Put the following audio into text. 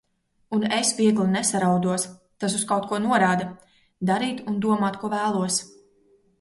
Un es viegli nesaraudos. Tas uz kaut ko norāda!! Darīt un domāt, ko vēlos.